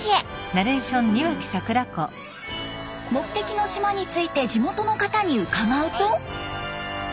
目的の島について地元の方に伺うと。